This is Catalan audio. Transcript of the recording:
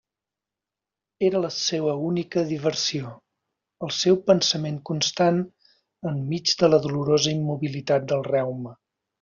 Era la seua única diversió, el seu pensament constant enmig de la dolorosa immobilitat del reuma.